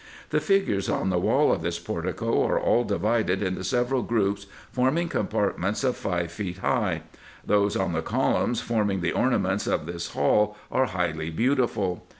The figures on the wall of this portico are all divided into several groups, form ing compartments of five feet high ; those on the columns forming the ornaments of this hall are highly beautiful.